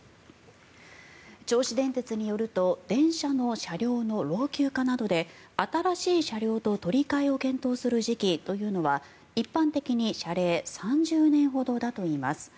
銚子電鉄によると電車の車両の老朽化などで新しい車両と取り換えを検討する時期というのは一般的に車齢３０年ほどだといいます。